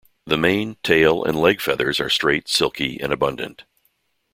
The mane, tail and leg feathers are straight, silky and abundant.